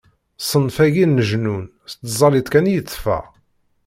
Ṣṣenf-agi n leǧnun, s tẓallit kan i yetteffeɣ.